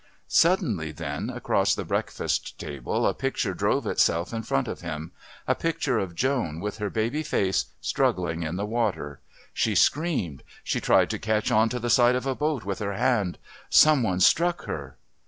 Suddenly then, across the breakfast table, a picture drove itself in front of him a picture of Joan with her baby face, struggling in the water.... She screamed; she tried to catch on to the side of a boat with her hand. Some one struck her....